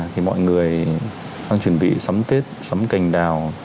thì mọi người đang chuẩn bị sắm tết sắm cành đào